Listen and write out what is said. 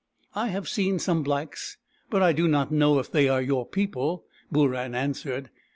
" I have seen some blacks, but I do not know if they are your people," Booran answered.